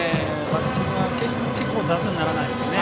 バッティングが決して雑にならない。